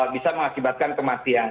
bisa mengakibatkan kematian